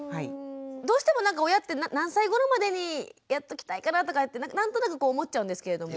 どうしてもなんか親って何歳ごろまでにやっときたいかなとか何となく思っちゃうんですけれども。